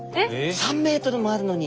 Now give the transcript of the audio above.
３ｍもあるのに。